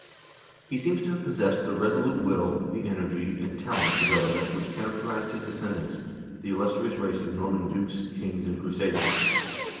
He seems to have possessed the resolute will, the energy, and talent for government which characterized his descendants, the illustrious race of Norman dukes, kings, and cru saders.